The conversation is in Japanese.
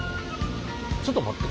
ちょっと待って。